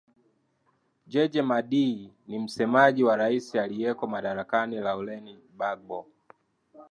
jeje madii ni msemaji wa rais aliyeko madarakani lauren bagbo